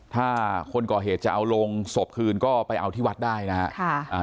ถ้าคนก่อเหตุจะเอาลงศพคืนก็ไปเอาที่วัดได้นะครับ